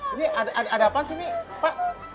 ini ada apaan sih nih pak